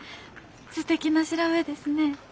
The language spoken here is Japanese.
すてきな調べですねえ。